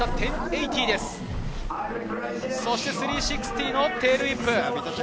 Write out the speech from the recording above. そして、３６０のテールウィップ。